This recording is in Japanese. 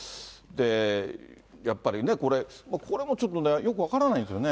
やっぱりね、これ、これもね、ちょっとよく分からないんですよね。